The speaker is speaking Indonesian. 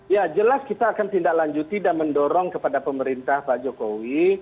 ya jelas kita akan tindak lanjuti dan mendorong kepada pemerintah pak jokowi